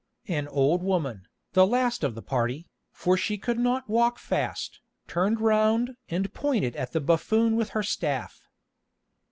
An old woman, the last of the party, for she could not walk fast, turned round and pointed at the buffoon with her staff.